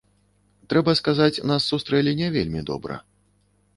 Трэба сказаць, нас сустрэлі не вельмі добра.